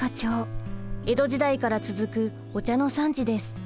江戸時代から続くお茶の産地です。